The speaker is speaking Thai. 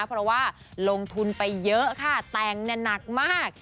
เพราะว่าลงทุนไปเยอะค่ะแต่งหนักมาก